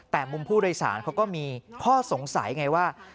แต่มุมผู้โดยสารเขาก็มีข้อสงสัยไงว่า